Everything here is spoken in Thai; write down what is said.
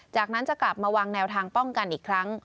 จากนั้นจะกลับมาวางแนวทางป้องกันอีกครั้ง